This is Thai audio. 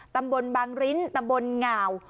ตำบลบางริ้นตำบลง่าว